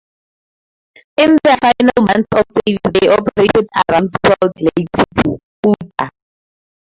In their final months of service they operated around Salt Lake City, Utah.